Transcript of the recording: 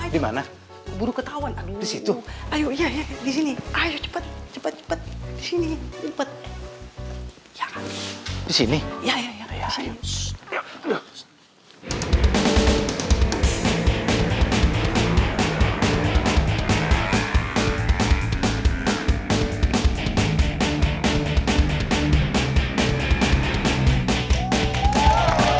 dimana buru ketauan disitu